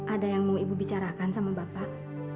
ada yang mau ibu bicarakan sama bapak